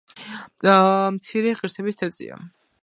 მცირე ღირსების თევზია.